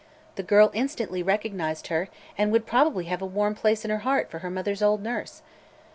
The girl instantly recognized her and would probably have a warm place in her heart for her mother's old nurse.